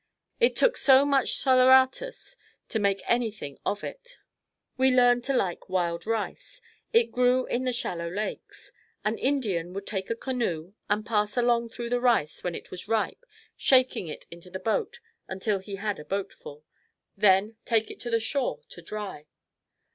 It took so much saleratus to make anything of it. We learned to like wild rice. It grew in the shallow lakes. An Indian would take a canoe and pass along through the rice when it was ripe shaking it into the boat until he had a boat full then, take it to the shore to dry.